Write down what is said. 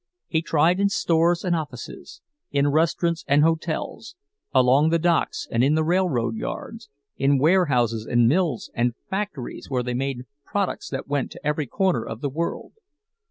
He tried in stores and offices, in restaurants and hotels, along the docks and in the railroad yards, in warehouses and mills and factories where they made products that went to every corner of the world.